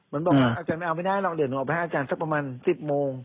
มันบอกว่าอาจารย์ไม่เอาไม่ได้หรอกเดี๋ยวหนูเอาไปให้อาจารย์สักประมาณ๑๐โมง